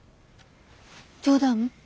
冗談？